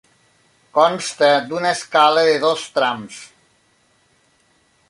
Consta d'una escala de dos trams.